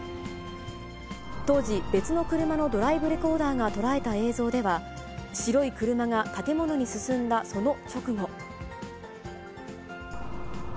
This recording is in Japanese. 当時、別の車のドライブレコーダーが捉えた映像では、白い車が建物に進んだその直後。